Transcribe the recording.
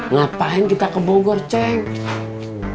ngapain kita ke bogor ceng